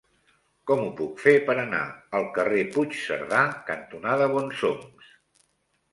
Com ho puc fer per anar al carrer Puigcerdà cantonada Bonsoms?